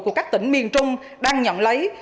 của các tỉnh miền trung đang nhận lấy